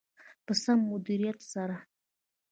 په سم مدیریت سره.